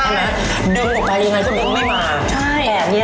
ใช่แต่เนี่ยนะเขามีทั้งปลาร้ามีทั้งความหวานกว่าเปรี้ยว